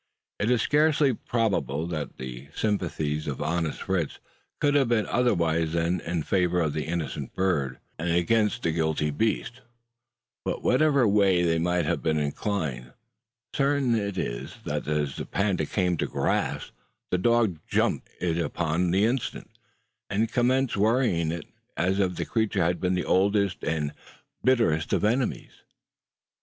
It is scarcely probable that the sympathies of honest Fritz could have been otherwise than in favour of the innocent bird, and against the guilty beast; but whatever way they may have been inclined, certain it is that as the panda came to "grass," the dog "jumped" it upon the instant, and commenced worrying it, as if the creature had been the oldest and bitterest of his enemies!